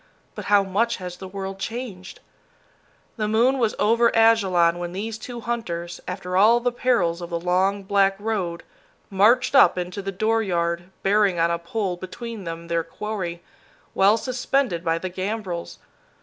But how much has the world changed? The moon was over Ajalon when these two hunters, after all the perils of the long, black road, marched up into the dooryard, bearing on a pole between them their quarry, well suspended by the gambrels.